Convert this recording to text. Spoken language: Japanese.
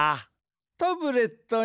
タブレットン